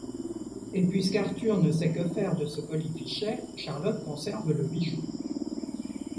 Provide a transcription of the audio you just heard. Et puisqu'Arthur ne sait que faire de ce colifichet, Charlotte conserve le bijou.